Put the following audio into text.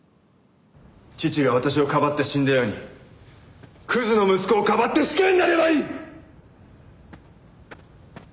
父が私をかばって死んだようにクズの息子をかばって死刑になればいい！